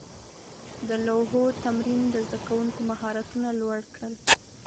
د لوحو تمرین د زده کوونکو مهارتونه لوړ کړل.